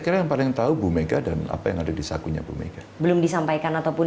kira yang paling tahu bumega dan apa yang ada di sakunya bumega belum disampaikan ataupun